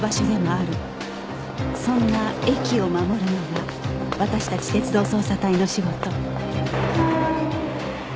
そんな駅を守るのが私たち鉄道捜査隊の仕事